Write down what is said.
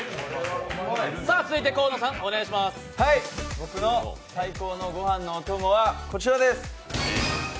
僕の最高のご飯のお供はこちらです。